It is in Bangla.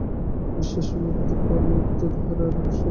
বিশ্বাসী ভৃত্যের প্রভুভক্তিই তাঁহার আদর্শ।